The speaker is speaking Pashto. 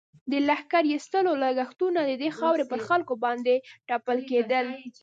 د لښکر ایستلو لږښتونه د دې خاورې پر خلکو باندې تپل کېدل.